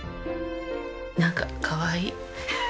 なんかかわいい。